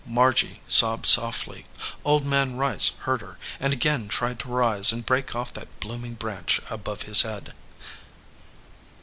Margy sobbed softly. Old Man Rice heard her, and again tried to rise and break off that blooming branch above his head.